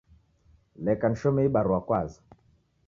Leka nishome ihi barua kwaza